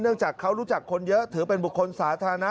จากเขารู้จักคนเยอะถือเป็นบุคคลสาธารณะ